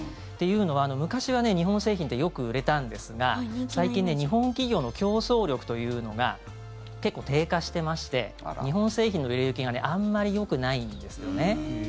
というのは、昔は日本の製品ってよく売れたんですが最近、日本企業の競争力というのが結構、低下してまして日本製品の売れ行きがあんまりよくないんですよね。